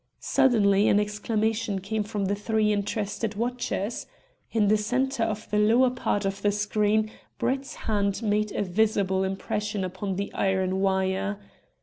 Suddenly an exclamation came from the three interested watchers. In the centre of the lower part of the screen Brett's hand made a visible impression upon the iron wire.